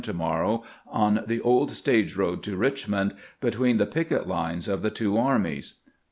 to morrow on the old stage road to Richmond, between the picket lines of the two armies.